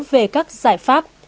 về các giải pháp